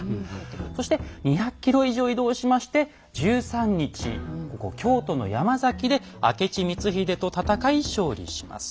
そして２００ｋｍ以上移動しまして１３日京都の山崎で明智光秀と戦い勝利します。